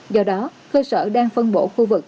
do đó khơi sở đang phân bổ khu vực